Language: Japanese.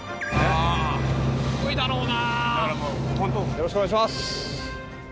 よろしくお願いします。